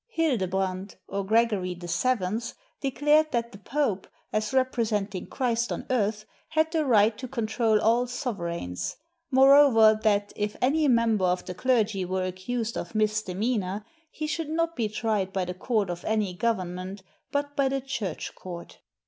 Hildebrand, or Gregory VII, declared that the Pope, as representing Christ on earth, had the right to con trol all sovereigns; moreover, that if any member of the clergy were accused of misdemeanor, he should not be tried by the court of any government, but by the church court.